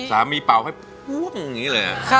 สามีปล่าวให้ปวงอย่างนี้เลยละ